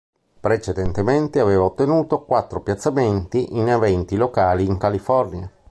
Precedentemente aveva ottenuto quattro piazzamenti in eventi locali in California.